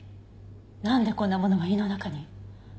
なんでこんなものが胃の中に？